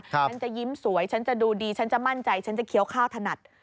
ฉันจะยิ้มสวยฉันจะดูดีฉันจะมั่นใจฉันจะเคี้ยวข้าวถนัด